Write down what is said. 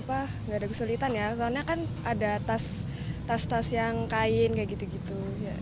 tidak ada kesulitan ya soalnya kan ada tas tas yang kain kayak gitu gitu